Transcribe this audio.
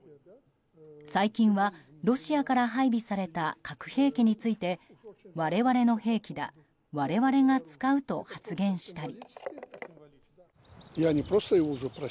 最近はロシアから配備された核兵器について我々の兵器だ我々が使うと発言したり。